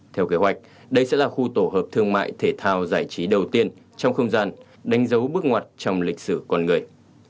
theo kế hoạch đây sẽ là khu tổ hợp thương mại thể thao giải trí đầu tiên trong không gian đánh dấu bước ngoặt trong lịch sử con người